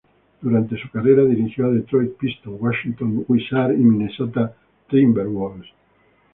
Durante su carrera dirigió a Detroit Pistons, Washington Wizards y Minnesota Timberwolves.